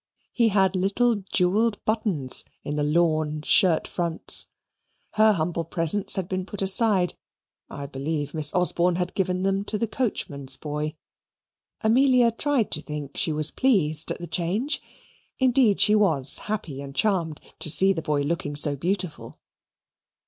He had little jewelled buttons in the lawn shirt fronts. Her humble presents had been put aside I believe Miss Osborne had given them to the coachman's boy. Amelia tried to think she was pleased at the change. Indeed, she was happy and charmed to see the boy looking so beautiful.